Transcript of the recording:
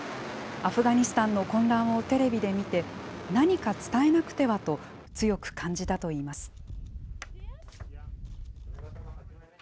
アフガニスタンの混乱をテレビで見て、何か伝えなくてはと、強く感じたといいます。